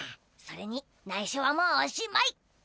それにないしょはもうおしまい。